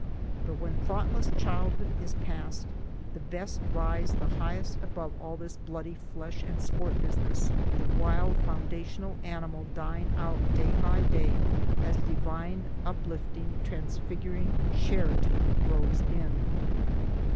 But when thoughtless childhood is past, the best rise the highest above all this bloody flesh and sport business, the wild foundational animal dying out day by day, as divine uplifting, transfiguring charity grows in.